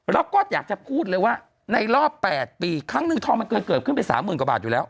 แล้วก็อยากจะพูดเลยว่าในรอบ๘ปีครั้งหนึ่งทองมันเคยเกิดขึ้นไปสามหมื่นกว่าบาทอยู่แล้ว